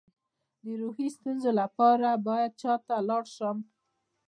د روحي ستونزو لپاره باید چا ته لاړ شم؟